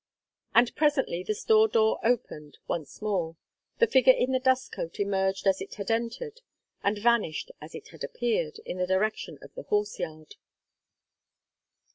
And presently the store door opened once more; the figure in the dust coat emerged as it had entered; and vanished as it had appeared, in the direction of the horse yard.